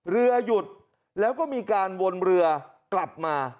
เรือหยุดแล้วก็มีการวนเรือกลับมา